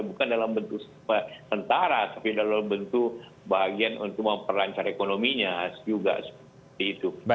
bukan dalam bentuk tentara tapi dalam bentuk bagian untuk memperlancar ekonominya juga seperti itu